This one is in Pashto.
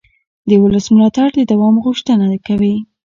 د ولس ملاتړ د دوام غوښتنه کوي